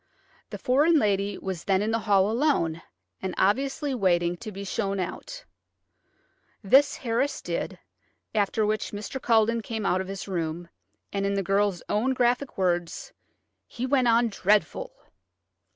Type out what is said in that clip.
The foreign lady was then in the hall alone, and obviously waiting to be shown out. This Harris did, after which Mr. Culledon came out of his room, and, in the girl's on graphic words, "he went on dreadful."